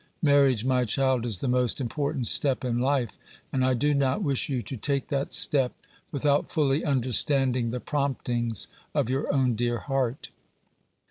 Marriage, my child, is the most important step in life, and I do not wish you to take that step without fully understanding the promptings of your own dear heart.